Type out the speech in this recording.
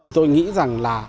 tôi nghĩ rằng là